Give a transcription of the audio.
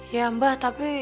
ya mbak tapi